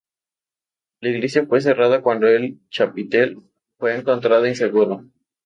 La iglesia fue cerrada cuándo el chapitel fue encontrado inseguro.